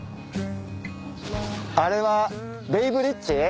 あれはベイブリッジ？